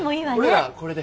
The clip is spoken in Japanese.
俺らこれで。